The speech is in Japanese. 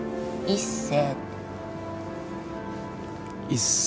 一星。